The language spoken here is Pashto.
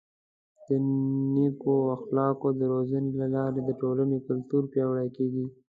د نیکو اخلاقو د روزنې له لارې د ټولنې کلتور پیاوړی کیږي.